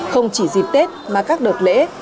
không chỉ dịp tết mà các đợt lễ